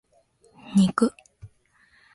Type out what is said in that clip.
肉